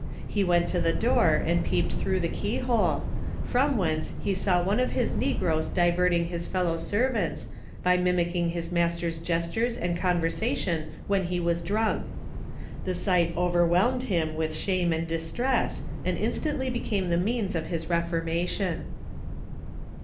He went to the door, and peeped through the key hole, from whence he saw one of his negroes diverting his fellow servants, by mimicking his master's gestures and conversation, when lie was drunk. The sight overwhelmed him Avith shame and distress, and instantly became the means of his ref ormation.